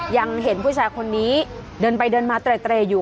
ยังเห็นผู้ชายคนนี้เดินไปเดินมาเตรอยู่